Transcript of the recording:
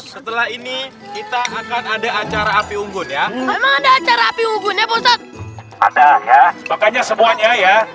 setelah ini kita akan ada acara api unggun ya